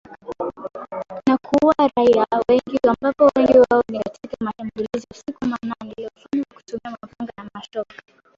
Na kuua raia wengi ambapo wengi wao ni katika mashambulizi ya usiku wa manane yaliyofanywa kwa kutumia mapanga na mashoka.